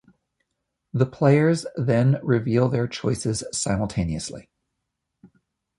The players then reveal their choices simultaneously.